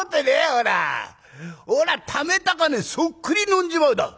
おらためた金そっくり飲んじまうだ」。